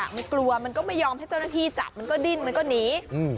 มันกลัวมันก็ไม่ยอมให้เจ้าหน้าที่จับมันก็ดิ้นมันก็หนี